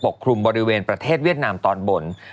กลุ่มบริเวณประเทศเวียดนามตอนบน